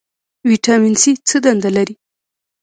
ویټامین سي څه دنده لري؟